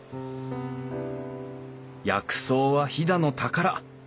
「薬草は飛騨の宝」。